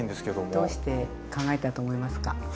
どうして考えたと思いますか？